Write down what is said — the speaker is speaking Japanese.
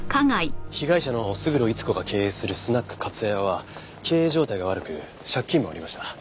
被害者の勝呂伊津子が経営するスナックかつ絢は経営状態が悪く借金もありました。